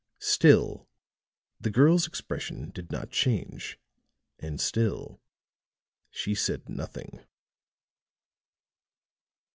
Still the girl's expression did not change, and still she said nothing.